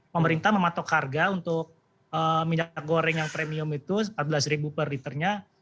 pemerintah mematok harga untuk minyak goreng yang premium itu rp empat belas per liternya